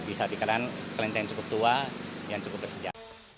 bisa dikenal kelenteng yang cukup tua dan cukup bersedia